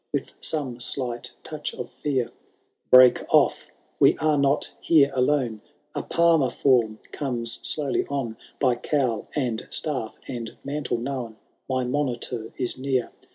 With some slight touch of fear^— ^ Break off, we are not here alone ; A Palmer form comes slowly on ! By cowl, and staff, and mantle known. My monitor is near.